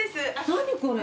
何これ。